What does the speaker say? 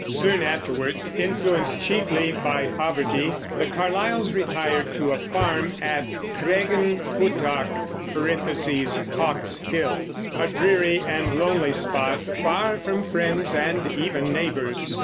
Soon afterwards, influenced chiefly by poverty, the Carlyles retired to a farm, at Craigen puttoch (Hawks' Hill), a dreary and lonely spot, far from friends and even neighbors.